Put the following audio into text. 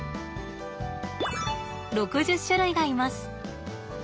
６０種類がいます。